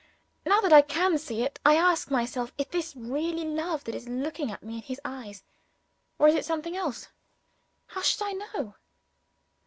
Now that I can see it, I ask myself, Is this really love that is looking at me in his eyes? or is it something else? How should I know?